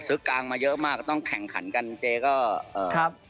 ซื้อกางมาเยอะมากต้องแข่งขันกันเจ๊ก็ครับ